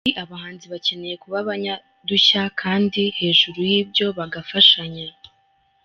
Ati “Abahanzi bakeneye kuba abanyadushya kandi hejuru y’ibyo bagafashanya.